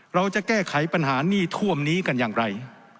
เราจะแก้ไขปัญหาหนี้ท่วมนี้กันอย่างไร